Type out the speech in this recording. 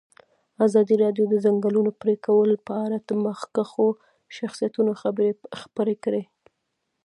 ازادي راډیو د د ځنګلونو پرېکول په اړه د مخکښو شخصیتونو خبرې خپرې کړي.